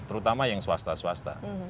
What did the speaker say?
terutama yang swasta swasta